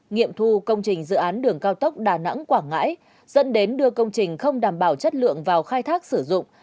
nghiệm thu công trình dự án đường cao tốc đà nẵng quảng ngãi dẫn đến đưa công trình không đảm bảo chất lượng vào khai thác sử dụng